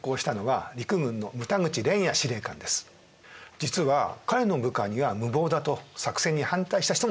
実は彼の部下には「無謀だ」と作戦に反対した人もいました。